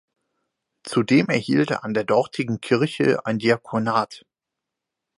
Zudem erhielt er an der dortigen Kirche ein Diakonat.